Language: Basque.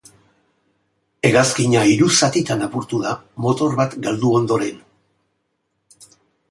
Hegazkina hiru zatitan apurtu da, motor bat galdu ondoren.